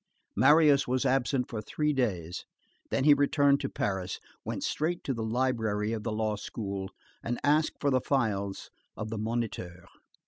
Marius was absent for three days, then he returned to Paris, went straight to the library of the law school and asked for the files of the Moniteur.